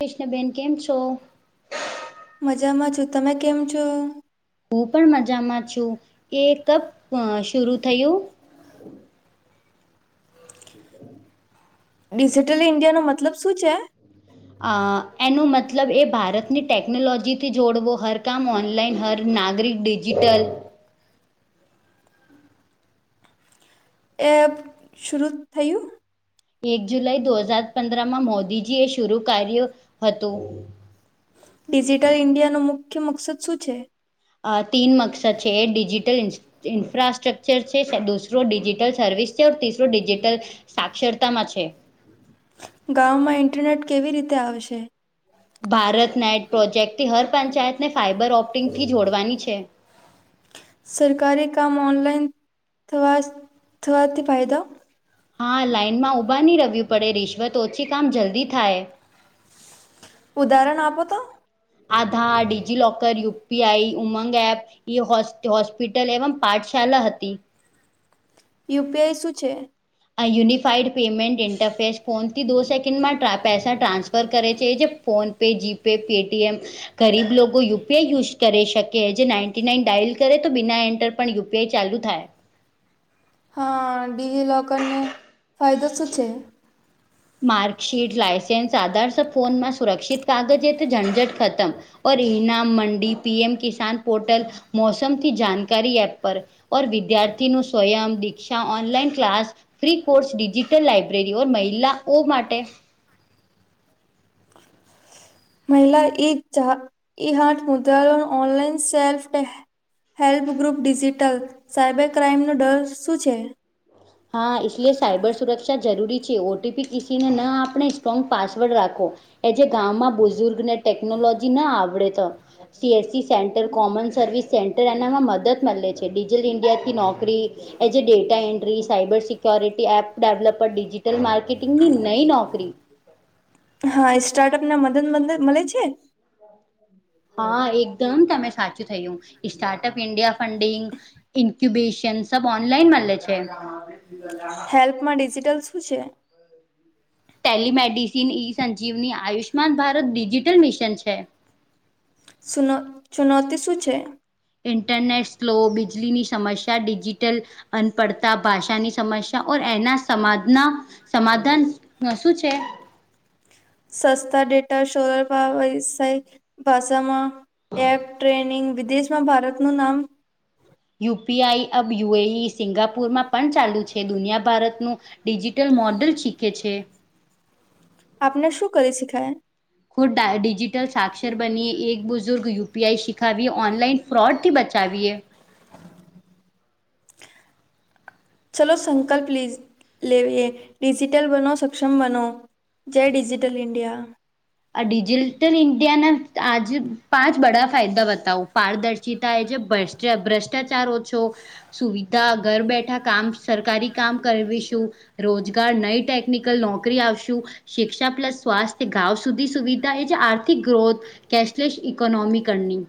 કૃષ્ણબેન કેમ છો? મજામાં છું તમે કેમ છો? હું પણ મજામાં છું એ કપ શરૂ થયું? [unintelligible] ડિજિટલ ઇન્ડિયા નો મતલબ શું છે? અ એનો મતલબ એ ભારતની ટેકનોલોજીથી જોડવો હર કામ ઓનલાઈન હર નાગરિક ડિજિટલ એપ શુંરૂ થયું. એક જુલાઈ દો હજાર પંદ્ર માં મોદીજી એ શુરુ કર્યું હતું. ડિજિટલ ઇન્ડિયાનો મુખ્ય મકસદ શું છે. આ તીન મક્સદ છે ડિજિટલ ઇન્ફ્રાસ્ટ્રક્ચર છે દુસરો ડિજિટલ સર્વિસ છે તીસરો ડિજિટલ સાક્ષરતા માં છે. ગામમાં ઇન્ટરનેટ કેવી રીતે આવશે? ભારત નાઇટ પ્રોજેક્ટથી હર પંચાયતને ફાઈબર ઓપ્ટિંગથી જોડવાની છે. સરકારી કામ ઓનલાઈન થવા થવાથી ફાયદો? હા લાઇનમાં ઊભાની રવ્યૂ પડે રિશ્વત ઓછી કામ જલ્દી થાય. ઉદાહરણ આપો તો? Aadhaar DigiLocker UPI Umang app e હો હોસ્પિટલ એવમ પાઠશાળા હતી. યુપીઆઈ શું છે? યુનિફાઈડ પેમમેન્ટ ઈન્ટરફેસ ફોનથી દો સેકન્ડમાં ટ્રા પૈસા ટ્રાન્સફર કરે છે જે ફોન પે જીપે પેટીએમ ગરીબ લોકો યુપીઆઈ યુઝ કરી શકે જે નાઇન્ટી નાઇન ડાયલ કરે તો બિના એન્ટર પણ યુપીઆઈ ચાલુ થાય. હા ડીજીલોકર ને ફાયદો શું છે? માર્કશીટ લાઈસન્સ આધાર સ ફોનમાં સુરક્ષિત રાખો તો તે ઝંઝટ ખતમ ઓર ઇનામ મંડી પીએમ કીસાન પોર્ટલ મોસમથી જાાનકારી એપ પર ઓર વિદ્યાર્થી નુ Swayam Diksha online class free course digital library ઓ મહિલાઓ માટે મહિલા ઈ હા ઈ હા Mudra online self help group digital cyber ક્રાઇમનો ડર શું છે? હા એટલે સાયબર સુરક્ષા જરૂરી છે ઓટીપી કિસીને ન આપણે સ્ટ્રોંગ પાસવર્ડ રાખો. એ જે ગામમાં બુઝુર્ગને ટેકનોલોજી ના આવડે તો- - CSC centre common service centre એનામાં મદદ મળે છે ડિજિટલ ઇન્ડિયાથી નોકરી- - એજ ડેટા એ- - cyber security app developer digital માર્કેટિંગની નઈ નોકરી- - હા સ્ટાર્ટઅપ ના [inaudible] મદદ મળે છે. હા એકદમ તમે સાચું થયું સ્ટાર્ટઅપ ઇન્ડિયા ફંડિંગ- - ઇન્ક્યુબેશન સબ ઓનલાઈન મળે છે. એલ્પમાં ડિજિટલ શું છે? Telemedicine e Sanjeevani Ayushman Bharat digital mission છે. સુન ચુનૌતી શું છે? ઇન્ટરનેટ સ્લો, બિજલીની સમસ્યા, ડિજિટલ- - અનપડતા ભાષાની સમસ્યા ઓર એના સમાજના- - સમાધાન શું છે? સસ્તા ડેટા સોલ [unintelligible] ભાષામાં- - એપ ટ્રેનિંગ વિદેશમાં ભારતનું નામ યુપી આઈ અબ યુ એ ઈ સિંગાપુરમાં પણ ચાલુ છે દુનિયા ભારતનું ડિજિટલ મોડલ શીખે છે. આપને શું કરે શીખાય? ખુદ ડિજિટલ સાક્ષર બનીએ એક બુઝુર્ગ યુપીઆઈ શીખાવીએ ઓનલાઈન ફ્રોડ થી બચાવીએ. ચલો સંકલ્પ લી લેવીએ ડિજિટલ બનો સક્ષમ બનો. જય ડિજિટલ ઇન્ડિયા. આ ડિજિટલ ઇન્ડિયાના આજે પાંચ [inaudible] ફાયદા બતાવું પારદર્શિતા એ જે [unintelligible] ભ્રષ્ટાચાર ઓછો. સુવિધા ઘર બેઠા કામ સરકારી કામ કરવીશું. રોજગાર નઈ ટેકનિકલ નોકરી આવશું શિક્ષા પ્લસ સ્વાસ્થ્ય ગાવ સુધી સુવિધા એ છે આર્થિક ગ્રોથ કેશલેસ ઇકોનોમી કરની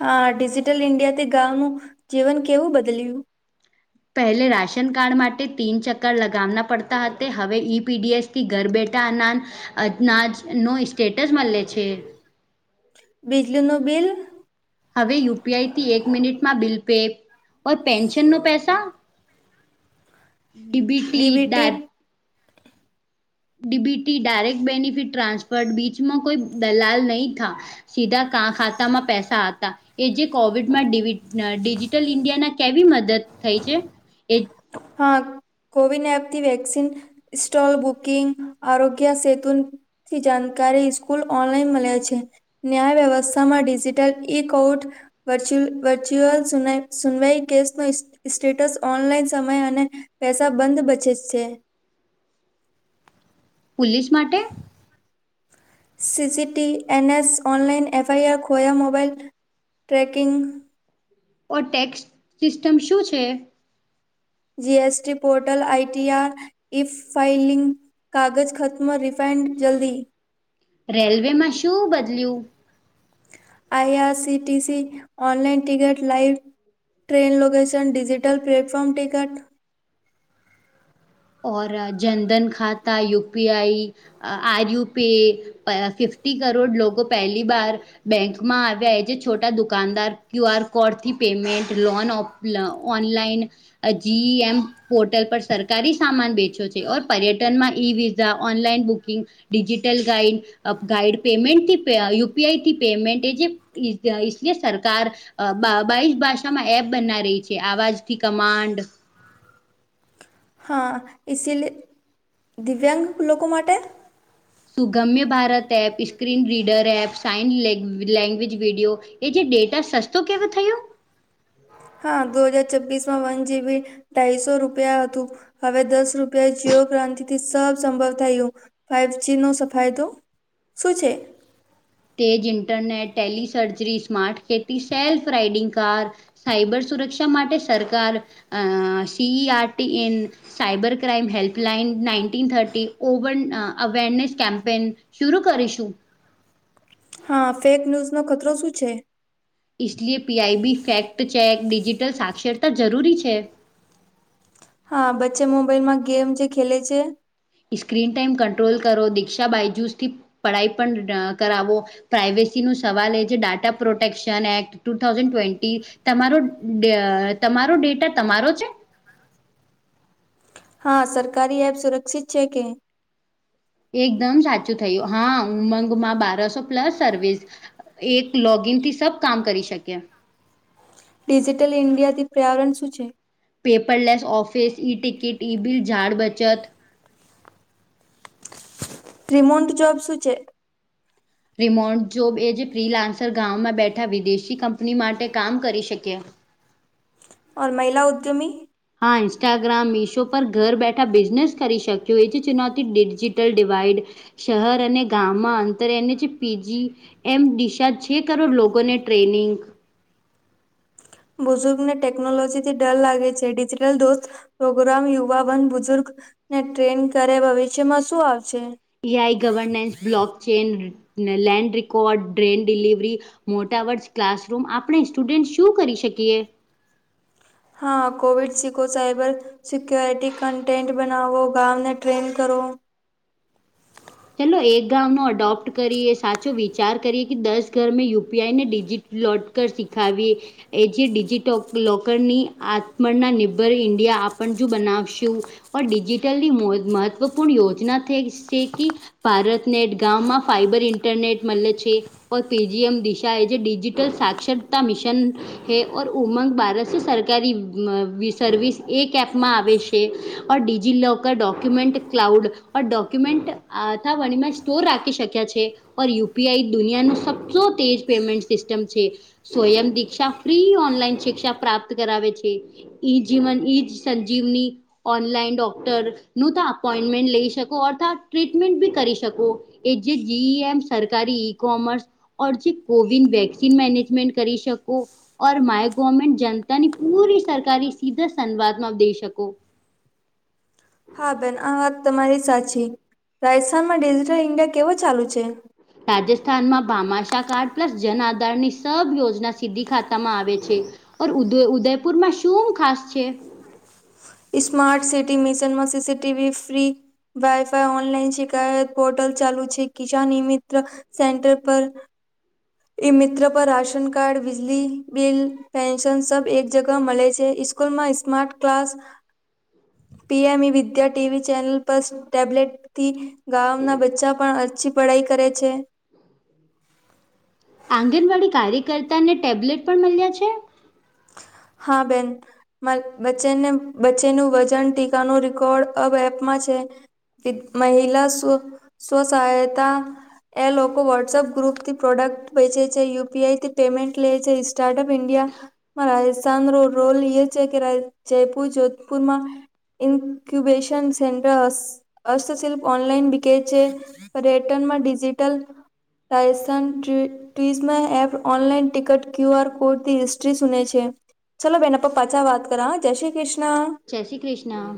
હા ડિજિટલ ઈન્ડિયા થી ગામનું જીવન કેવું બદલ્યું? પહેલે રાશન કાર્ડ માટે તીન ચક્કર લગાવના પડતા હતા હવે ઈપીડીએસ કે ઘર બેઠા અના અનાજ નો સ્ટેટસ મળે છે. બિજલીનું બિલ હવે યુપીઆઈ થી એક મિનિટમાં બિલ પે ઓ પેન્શન નો પૈસા [inaudible] ડીબીટી ડેટ ડીબીટી ડાયરેક્ટ બેનિફિટ ટ્રાન્સફર બીચમાં કોઈ દલાલ નહીં થા. સીધાા ખાતામાં પૈસા હતા‌. એ જે કોવિડમાં ડિજિટલ ઇન્ડિયાના કેવી મદદ થઈ છે? એ હા કોવિન એપથી વેક્સિન સ્ટોલ, બુકિંગ, આરોગ્ય સેતુ થી જાણકારી સ્કૂલ ઓનલાઈન મળે છે. ન્યાય વ્યવસ્થામાં ડિજિટલ ઇ કઉટ વર્ચ્યુઅલ સુનવાઈ કેસ ન સ્ટેટસ ઓનલાઈન સમય અને પૈસા બંધ બચે છે. પોલીસ માટે સીસીટીવી એનએસ ઓનલાઇન એફઆઈઆર ખોયા મોબાઈલ ટ્રેકિંગ ઓ ટેક્સ સિસ્ટમ શું છે? જીએસટી પોર્ટલ આઈટીઆર [unintelligible] રેલવેમાં શું બદલ્યું? I R city C online ticket live train location, digital platform ticket ઓ જનધન ખાતા U P I R UP અ ફિફ્ટી કરોડ લોકો પહેલી બાર બેંકમાં આવ્યા એ જે છોટા દુકાનદાર ક્યુ આર કોડથી પેમેન્ટ, લોન ઓ ઓનલાઈન જી એમ પોર્ટલ પર સરકારી સામાન બેચ્યો છે ઓર પર્યટનમાં e visa, online booking, digital guide guide પેમેન્ટથી યુ પી આઈથી પેમેન્ટ એ જે ઈસલિએ સરકાર બા બાઈસ ભાષામાં એપ બના રહી છે આવાજથી કમાન્ડ હા ઈસીલ દિવ્યાંગ લોકો માટે Sugamya Bharat app, screen reader, app sign લેન્ લેંગ્વેજ વિડિયો એ જે ડેટા સસ્તો કેવો થયો? હા દો હજાર છબ્વીસમાં વન જીબી ઢાઈસો રૂપિયા હતું. હવે દસ રૂપિયા જીઓ ક્રાંતિથી સબ સંભવ થયું ફાઈવ જી નો સફાયદો શું છેે? તેજ ઈન્ટરનેટ, ટેલીસર્જરી, સ્માર્ટ ખેતી, સેલ્ફ રાઈડિંગ કાર. સાયબર સુરક્ષા માટે સરકાર અ C E R T in cyber crime helpline nineteen thirty, ઓવન અવેરનેસ કેમ્પેન શુરું કરીશું. હા ફેક ન્યૂઝનો ખતરો શું છે? ઈશલીયે P I B fact check, digital સાક્ષરતા જરૂરી છે. હા બચ્ચે મોબાઈલમાં ગેમ જે ખેલે છે સ્ક્રીન ટાઈમ કંટ્રોલ કરો, દીક્ષા બાાયજુસથી પઢાઈ પણ કરાવો. પ્રાાઈવેસીનુ સવાલ એ જે data protection act two thousand twenty તમારો ડ તમારો ડેટા તમારો છે? હા સરકારી એપ સુરક્ષિત છે કે? એકદમ સાચું થયું હા ઉમંગમાં બારાસો પ્લસ સર્વિસ એક લોગીનથી સબ કામ કરી શકે. ડિજિટલ ઈન્ડિયાથી પર્યાવરણ શું છે? Paperless office, e ticket e bill જાળ બચત ત્રિમોન્ટ જોબ શું છે? રિમોન્ટ જોબ એ જ પ્રિલાન્સર ગામમાં બેઠા વિદેશી કંપની માટે કામ કરી શકીએ. ઓર મહિલા ઉદ્યમી? હા ઈન્સ્ટાગ્રામ, મિશો પર ઘર બેઠા બિઝનેસ કરી શક્યું એ જે ચુનવતી ડિજિટલ ડિવાઈસ શહેર અને ગામમાં અંતર અને જે પીજી એમ દિશા છે કરોડ લોકોને ટ્રેનિંગ બુઝુર્ગને ટેકનોલોજી થી ડર લાગે છે ડિજિટલ દોસ્ત પ્રોગ્રામ યુવા વર્ગ બુઝુર્ગ ને ટ્રેન કરે ભવિષ્યમાં શું આવશે? ઈ આઈ governance, block chain, land record drone delivery. મોટા વર્ષ ક્લાસરૂમ આપણે સ્ટુડન્ટ શું કરી શકીએ? હા કોવિડ સી કો સાઈબર સિક્ય્યોરિટી કન્ટેન્ટ બનાવો ગામને ટ્રેઈન કરો. ચલો એક ગામનો અડોપ્ટ કરીએ સાચો વિચાર કરીએ કે દસ ઘર મેં યુ પી આઈ ને ડિજિટ લોટ કર શીખાવીએ. એ જે ડિજિટ લોકરની આત્મના નિર્ભર ઈન્ડિયા આપણ જો બનાવશું પણ ડિજિટલની મ મહત્વપૂર્ણ યોજના થે શેકી ભારતનેટ ગામમાં ફાઈબર ઈન્ટરનેટ મલે છે. ઓર પીજી એમ દિશા એ જે ડિજિટલ સાક્ષરતા મિશન હે ઓર ઉમંગ બારસો સરકારી મ સર્વિસ એક એપમાં આવે શે. ડિજી લોકર ડોક્યુમેન્ટ ક્લાઉડ ઓર ડોક્યુમેન્ટ અ અથાવણીમાં સ્ટોર રાખી શક્યા છે ઓર યુ પી આઈ દુનિયાનું સચો તેજ પેમેન્ટ સિસ્ટમ છે સ્વયં દીક્ષા ફ્રી ઓનલાઈન શિક્ષા પ્રાપ્ત કરાવે છે એઈ જીવન ઈ જ સંજીવની ઓનલાઈન ડોક્ટર નું તો અપોઈન્ટમેન્ટ લઈ શકો અર્થા ટ્રીટમેન્ટ બી કરી શકો એ જે જીઈ એમ સરકારી ઈ કોમર્સ ઓર જે કોવન વેક્સિન મેનેજમેન્ટ કરી શકો ઓર માય ગોર્મેન્ટ જનતાની પૂરી સરકાર એ સીધા સંવાદમાં દઈ શકો હા બેન આ વાત તમારી સાચી રાજસ્થાનમાં ડિજિટલ ઈન્ડિયા કેવો ચાલુ છે રાજસ્થાનમાં ભમાશા કાર્ડ પ્લસ જન આધારની સબ યોજના સીધી ખાતામાં આવે છે ઓર ઉદ ઉદયપુર માં શું ખાસ છે ઈસ્માર્ટ સિટી મિશનમાં સીસીટીવી ફ્રી વાઈફાઈ ઓનલાઈન શીખાયત પોર્ટલ ચાલુ છે કિસાન નિમિત્ર સેન્ટર પર ઈ મિત્ર પર રાશન કાર્ડ બિજલી બિલ પેન્શન સબ એક જગહ મળે છે સ્કૂલ માં smart class PM e Vidya TV channel પર ટેબલેટ થી ગામના બચ્ચા પણ અછી પઢાઈ કરે છે આંગણવાડી કાર્યકર્તા ને ટેબ્લેટ પણ મળ્યા છે હા બેન ચ્ચે બચ્ચેનું વજન ટીકા ન રેકોર્ડ અબ એપમાં છે મહિલા સ્વ સ્વસહાયતા એ લોકો વોટ્સઅપ ગ્રુપથી પ્રોડક્ટ વેચે છે યુપીઆઈ થી પેમેન્ટ લે છે સ્ટાર્ટઅપ ઇન્ડિયામાં રાજસ્થાનો રોલ એ છે કે જયપુર જોધપુરમાં ઇક્યુબેશન સેન્ટર્સ હસ્તશિલ્પ ઓનલાઈન બિક છે પર્યટનમાં digital Raisen tourism app online ticket QR કોડથી સુને છે ચલો બેેનપ પાછા વાત કરા જય શ્રી કૃષ્ણ જય શ્રી કૃષ્ણ